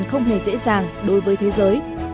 và không hề dễ dàng đối với thế giới